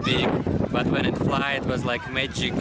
tapi ketika terbang itu seperti magik